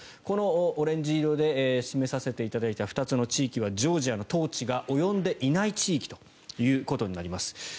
このオレンジ色で示させていただいた２つの地域はジョージアの統治が及んでいない地域ということになります。